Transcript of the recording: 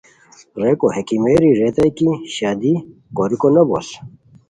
ریکو ہے کیمیری ریتائے کی شادی کوریکو نو بوس